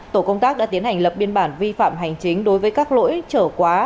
tổ công tác đã tiến hành lập biên bản vi phạm hành chính đối với các lỗi trở quá